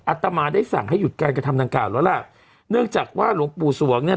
ตมาได้สั่งให้หยุดการกระทำดังกล่าวแล้วล่ะเนื่องจากว่าหลวงปู่สวงเนี่ย